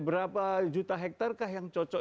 berapa juta hektare kah yang cocok